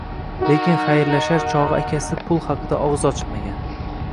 Lekin xayrlashar chogʻi akasi pul haqida ogʻiz ochmagan.